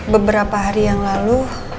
beberapa hari yang lalu